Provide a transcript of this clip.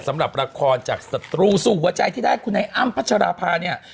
สำหรับละครจากศัตรูสู่หัวใจที่ได้คุณไอ้อ้ำพัชราภาเนี่ย